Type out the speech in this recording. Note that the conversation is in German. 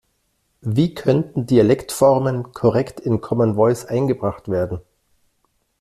Wie könnten Dialektformen korrekt in Common Voice eingebracht werden?